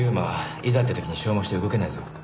いざって時に消耗して動けねえぞ。